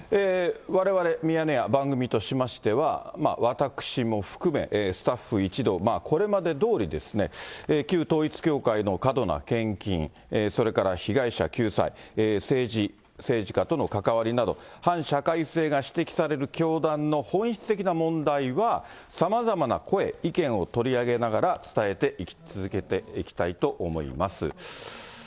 われわれミヤネ屋、番組としましては私も含め、スタッフ一同、これまでどおりですね、旧統一教会の過度な献金、それから被害者救済、政治、政治家との関わりなど、反社会性が指摘される教団の本質的な問題は、さまざまな声、意見を取り上げながら、伝えていき続けたいと思います。